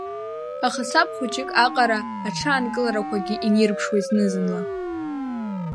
Аха саб хәыҷык аҟара аҽаанкыларақәагьы инирԥшуеит зны-зынла.